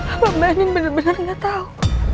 apa mbak min bener bener gak tau